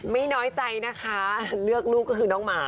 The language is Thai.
น้อยใจนะคะเลือกลูกก็คือน้องหมา